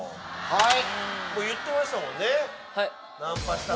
はい！